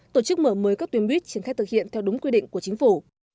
tổ chức mở mới các tuyến buýt trên khách thực hiện theo đúng quy định của chính phủ